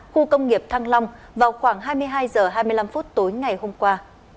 khu công nghiệp thăng long vào khoảng hai mươi hai h hai mươi năm tối ngày hôm qua